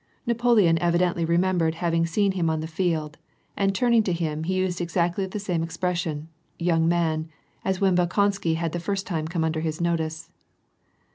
Napoleon evidently remembered having seen him on the iield, and turning to him he used exactly the same expression, ^^ young man/' as when Bolkonsky had the first \ time come under his notice.